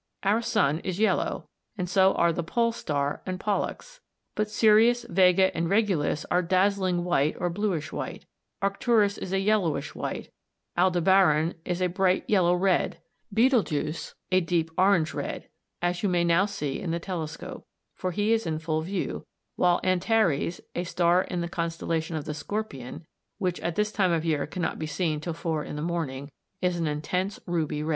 Our sun is yellow, and so are the Pole star and Pollux; but Sirius, Vega, and Regulus are dazzling white or bluish white, Arcturus is a yellowish white, Aldebaran is a bright yellow red, Betelgeux a deep orange red, as you may see now in the telescope, for he is full in view; while Antares, a star in the constellation of the Scorpion, which at this time of year cannot be seen till four in the morning, is an intense ruby red.